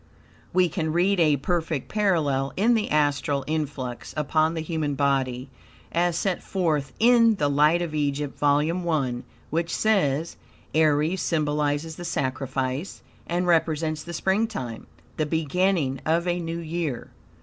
We can read a perfect parallel in the astral influx upon the human body, as set forth in the "Light of Egypt," vol. I, which says Aries symbolizes the sacrifice and represents the springtime, the beginning of a new year.